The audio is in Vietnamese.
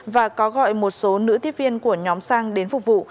và có gọi một số nữ tiếp viên của nhóm sang đến phục vụ